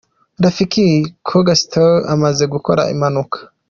Rafiki Coga Style amaze gukora impanuka.